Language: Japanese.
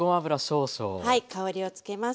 香りをつけます。